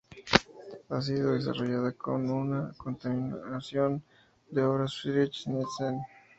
Ha sido desarrollada como una continuación de las obras de Friedrich Nietzsche.